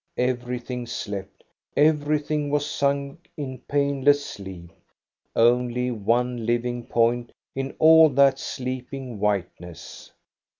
Every thing slept, everything was sunk in painless sleep; only one living point in all that sleeping whiteness.